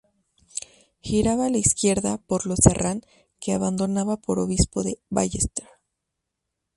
Giraba a la izquierda por Los Herrán, que abandonaba por Obispo de Ballester.